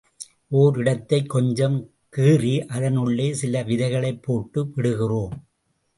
ஓர் இடத்தைக் கொஞ்சம் கீறி அதனுள்ளே சில விதைகளைப் போட்டு விடுகிறோம்.